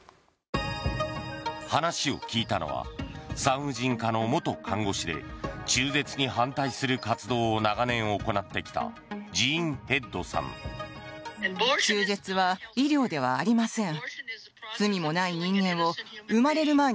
話を聞いたのは産婦人科の元看護師で中絶に反対する活動を長年行ってきたジーン・ヘッドさん。